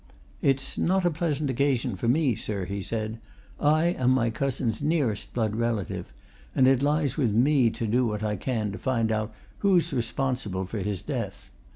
"It's not a pleasant occasion for me, sir," he said. "I am my cousin's nearest blood relative, and it lies with me to do what I can to find out who's responsible for his death.